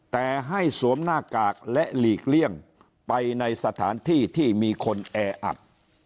แต่ให้สวมหน้ากากและหลีกเลี่ยงไปในสถานที่ที่มีคนแออัด